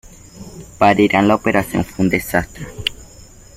Para Irán la operación fue un desastre.